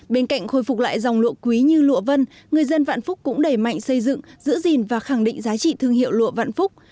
bên cạnh khôi phục lại dòng lụa quý như lụa vân người dân vạn phúc cũng đẩy mạnh xây dựng giữ gìn và khẳng định giá trị thương hiệu lụa vạn phúc